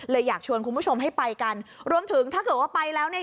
อยากชวนคุณผู้ชมให้ไปกันรวมถึงถ้าเกิดว่าไปแล้วเนี่ย